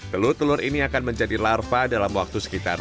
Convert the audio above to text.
telur telur ini akan menjadi larva dalam waktu sekitar